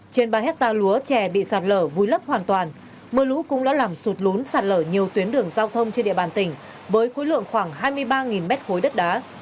trên ba hectare lúa chè bị sạt lở vùi lấp hoàn toàn mưa lũ cũng đã làm sụt lún sạt lở nhiều tuyến đường giao thông trên địa bàn tỉnh với khối lượng khoảng hai mươi ba m ba đất đá